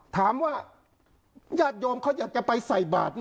ถามว่าญาติโยมเขาอยากจะไปใส่บาท